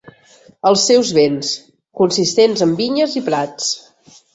Els seus béns, consistents en vinyes i prats.